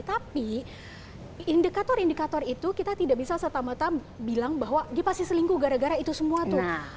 tapi indikator indikator itu kita tidak bisa serta merta bilang bahwa dia pasti selingkuh gara gara itu semua tuh